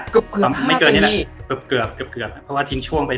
เกือบเกือบเกือบเกือบเกือบเพราะว่าทิ้งช่วงไป